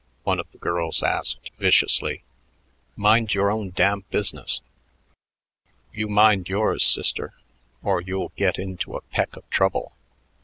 one of the girls asked viciously. "Mind your own damn business." "You mind yours, sister, or you'll get into a peck of trouble.